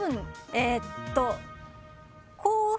えっと。